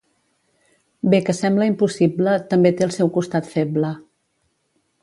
Bé que sembla impossible, també té el seu costat feble.